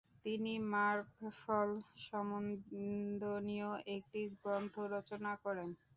তিনি মার্গফল সম্বন্ধীয় একটি গ্রন্থ রচনা করেন।